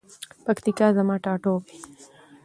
پکتیکا زما ټاټوبی.